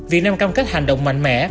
việt nam cam kết hành động mạnh mẽ